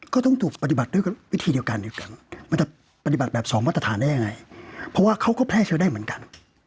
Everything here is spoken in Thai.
ก็ต้องถูกปฏิบัติด้วยวิธีเดียวกันอยู่กัน